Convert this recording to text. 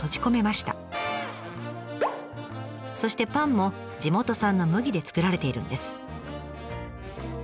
そしてパンも地元産の麦で作られているんです。